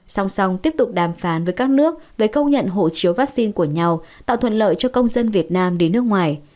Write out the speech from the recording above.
song song tiếp tục đàm phán với các nước về công nhận hộ chiếu vaccine của nhau tạo thuận lợi cho công dân việt nam đến nước ngoài